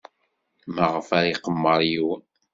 Maɣef ara iqemmer yiwen?